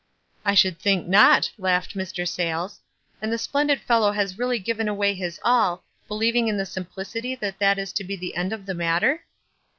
"I should think not," laughed Mr. Sayles. "And the splendid fellow has really given away his all, believing in his simplicity that that is to be the end of the mattor?"